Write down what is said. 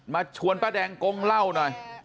ชวนป้าแดงกงเล่าหน่อย